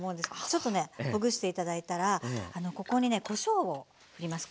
ちょっとねほぐして頂いたらここにねこしょうをふります。